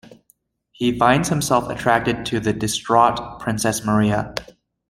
He finds himself attracted to the distraught Princess Maria.